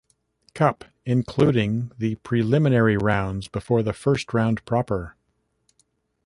Cup, including the preliminary rounds before the First Round Proper.